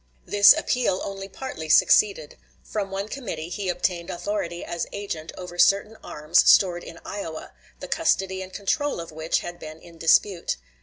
This appeal only partly succeeded. From one committee he obtained authority as agent over certain arms stored in Iowa, the custody and control of which had been in dispute.